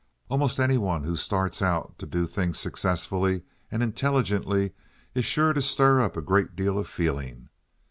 "Almost any one who starts out to do things successfully and intelligently is sure to stir up a great deal of feeling.